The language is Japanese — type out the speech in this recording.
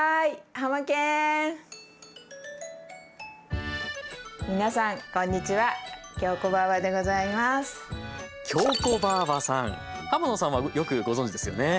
浜野さんはよくご存じですよね？